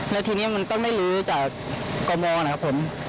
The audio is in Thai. แล้วทีนี้มันต้องไม่ลื้อจากกมนะครับผม